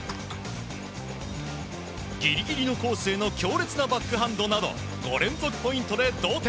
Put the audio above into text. ギリギリのコースへの強烈なバックハンドなど５連続ポイントで同点。